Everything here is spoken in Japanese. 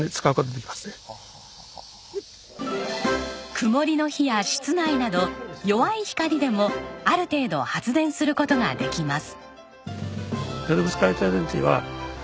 曇りの日や室内など弱い光でもある程度発電する事ができます。